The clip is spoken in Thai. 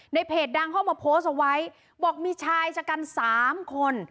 ในเพจดังเข้ามาโพสเอาไว้บอกมีชายจากกันสามคน